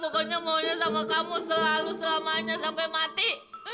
pokoknya maunya sama kamu selalu selamanya sampai mati